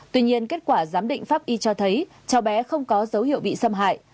tuy nhiên kết quả giám định pháp y cho thấy cháu bé không có dấu hiệu bị xâm hại